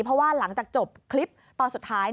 เพราะว่าหลังจากจบคลิปตอนสุดท้าย